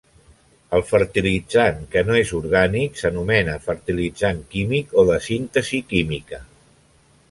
El fertilitzant que no és orgànic s'anomena Fertilitzant químic o de síntesi química.